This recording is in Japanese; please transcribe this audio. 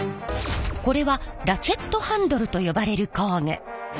これはラチェットハンドルと呼ばれる工具。